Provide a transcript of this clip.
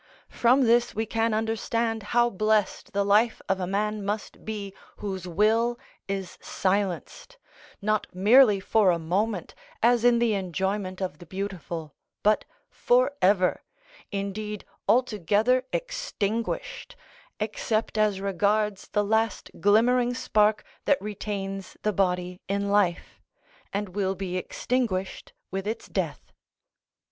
From this we can understand how blessed the life of a man must be whose will is silenced, not merely for a moment, as in the enjoyment of the beautiful, but for ever, indeed altogether extinguished, except as regards the last glimmering spark that retains the body in life, and will be extinguished with its death.